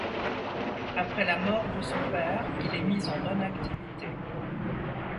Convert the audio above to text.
Après la mort de son père, il est mis en non activité.